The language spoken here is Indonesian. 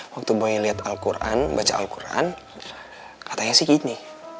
waktu mau lihat al quran baca al quran katanya sih gini